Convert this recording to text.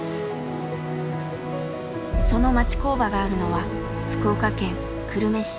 その町工場があるのは福岡県久留米市。